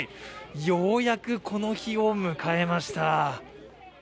ようやくこの日を迎えました。